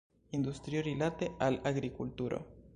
Industrio rilate al agrikulturo.